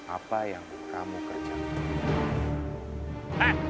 apa yang kamu kerjakan